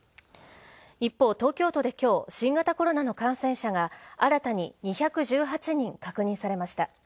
一方、東京都で今日新型コロナの感染者が新たに２１８人確認されました。